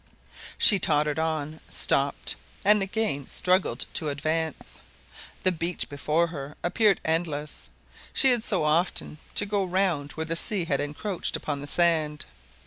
She tottered on, stopped, and again struggled to advance; the beach before her appeared endless, she had so often to go round where the sea had encroached upon the sand.